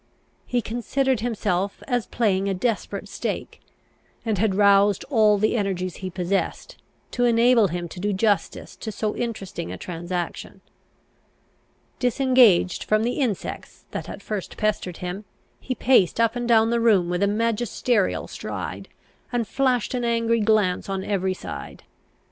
He considered himself as playing a desperate stake, and had roused all the energies he possessed, to enable him to do justice to so interesting a transaction. Disengaged from the insects that at first pestered him, he paced up and down the room with a magisterial stride, and flashed an angry glance on every side.